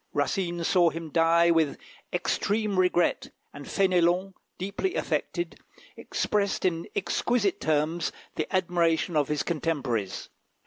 Racine saw him die with extreme regret, and Fénélon, deeply affected, expressed in exquisite terms the admiration of his contemporaries.